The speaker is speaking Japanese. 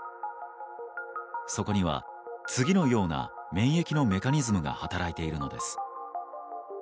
そこには、次のような免疫のメカニズムが働いているのです。